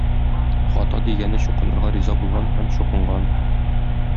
Гата дигәне чукынырга риза булган һәм чукынган.